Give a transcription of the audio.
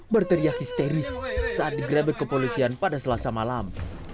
berteriak histeris saat digrebek kepolisian pada selasa malam